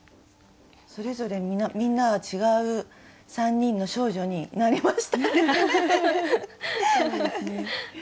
それぞれみんなが違う３人の少女になりましたね。